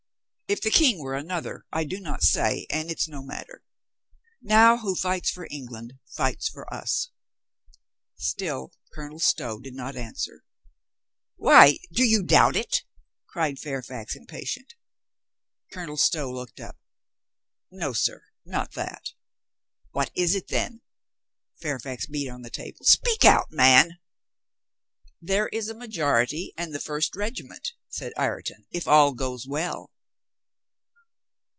If the King were another — I do not say, and it's no matter. Now who fights for England fights for us." Still Colonel Stow did not answer. "Why, do you doubt of it?" cried Fairfax impatient. Colonel Stow looked up. "No, sir, not that." "What is it then?" Fairfax beat on the table. "Speak out, man." "There is a majority and the first regiment," said Ireton, "if all goes well."